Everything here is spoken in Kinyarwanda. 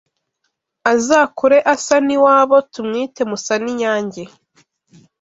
Azakure asa n’iwabo Tumwite Musaninyange